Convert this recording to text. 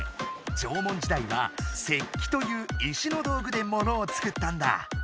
縄文時代は「石器」という石の道具でものを作ったんだ。